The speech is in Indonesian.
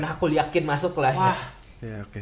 aku yakin masuk lah ya